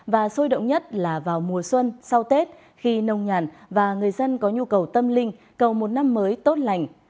và sôi động nhất là vào mùa xuân sau tết khi nông nhàn và người dân có nhu cầu tâm linh cầu một năm mới tốt lành